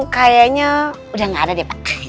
kayaknya udah gak ada deh pak